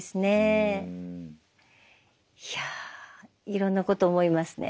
いやぁいろんなこと思いますね。